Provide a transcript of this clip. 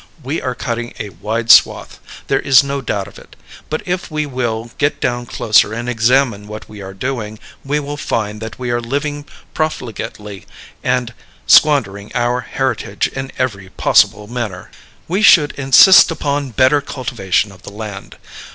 We are cutting a wide swath; there is no doubt of it. But if we will get down closer and examine what we are doing, we will find that we are living profligately and squandering our heritage in every possible manner. We should insist upon better cultivation of the land.